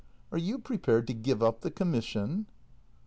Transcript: Are you pre pared to give up the commission